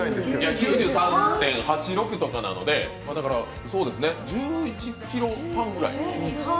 ９３．８６とかなので１１ｋｇ半ぐらい。